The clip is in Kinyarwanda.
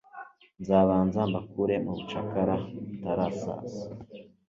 nzabanza mbakure mubucakara mutara saza